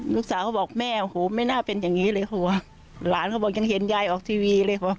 ลูกสาวเขาบอกแม่โอ้โหไม่น่าเป็นอย่างนี้เลยหัวหลานเขาบอกยังเห็นยายออกทีวีเลย